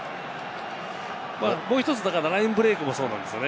もう１つ、ラインブレイクもそうなんです。